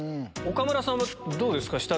岡村さんはどうですか？